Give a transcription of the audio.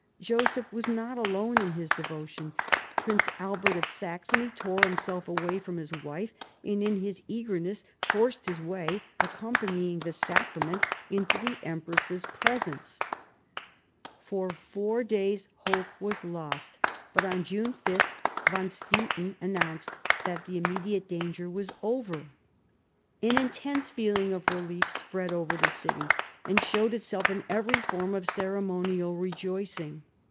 Joseph was not alone in his devptioa Prince Albert of Saxony tore himself away from his wife, and in his eagerness forced his way, accompanying the sacrament, into the empress's presence. For four days hope was lost, but on June 5, Van Swieten announced that the immediate danger was over. An i 218 THE CO REGENTS chap, x intense feeling of relief spread over the city, and showed itself in every form of ceremonial rejoicing.